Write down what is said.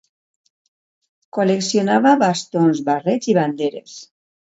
Col·leccionava bastons, barrets i banderes.